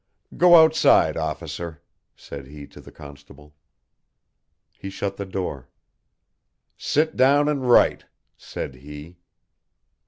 "Go outside, officer," said he to the constable. He shut the door. "Sit down and write," said he.